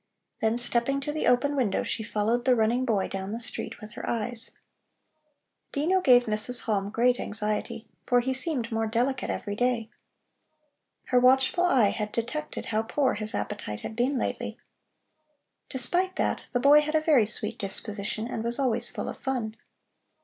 Then stepping to the open window, she followed the running boy down the street with her eyes. Dino gave Mrs. Halm great anxiety, for he seemed more delicate every day. Her watchful eye had detected how poor his appetite had been lately. Despite that, the boy had a very sweet disposition and was always full of fun.